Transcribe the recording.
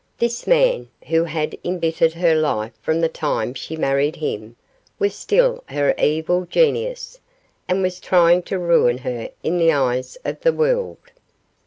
This man, who had embittered her life from the time she married him, was still her evil genius, and was trying to ruin her in the eyes of the world.